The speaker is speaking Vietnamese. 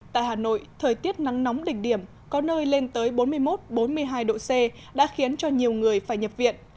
tại hà nội thời tiết nắng nóng đỉnh điểm có nơi lên tới bốn mươi một bốn mươi hai độ c đã khiến cho nhiều người phải nhập viện